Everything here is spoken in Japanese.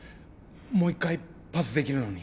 もう１回パスできるのに。